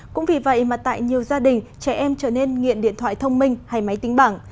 cũng vì vậy mà tại nhiều gia đình trẻ em trở nên nghiện điện thoại thông minh hay máy tính bảng